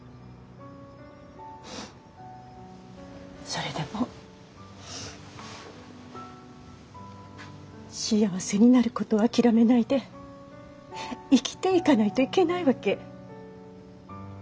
それでも幸せになることを諦めないで生きていかないといけないわけ。